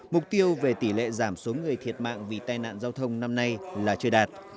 mục tiêu về tỷ lệ giảm số người thiệt mạng vì tai nạn giao thông năm nay là chưa đạt